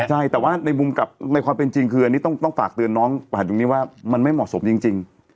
ใช่แต่ว่าในมุมกับในความเป็นจริงคืออันนี้ต้องฝากเตือนน้องตรงนี้ว่ามันไม่เหมาะสมจริง